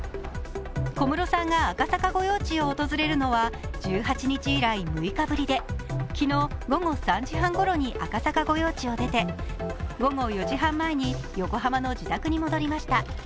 小室さんが赤坂御用地を訪れるのは１８日以来、６日ぶりで昨日、午後３時半ごろに赤坂御用地を出て、午後４時半前に横浜の自宅に戻りました。